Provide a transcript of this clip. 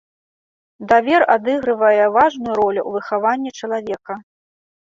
Давер адыгрывае важную ролю ў выхаванні чалавека.